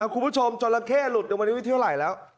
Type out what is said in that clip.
คุณผู้ชมจอละเข้หลุดอยู่วันนี้ที่เท่าไหร่แล้ว